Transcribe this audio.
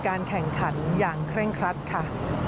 การแข่งขันอย่างเคร่งครัดค่ะ